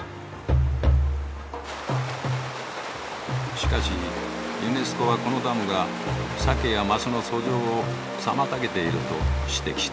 しかしユネスコはこのダムがサケやマスの遡上を妨げていると指摘してきた。